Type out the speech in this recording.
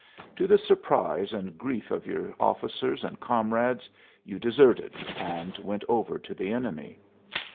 To the surprise and grief of your officers and comrades you deserted and went over to the enemy.